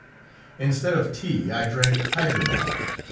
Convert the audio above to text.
Instead of tea I drank hydromel.